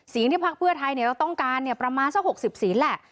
สีงที่พักเพื่อไทยต้องการประมาณเจ้าหกสิบสีนแหละ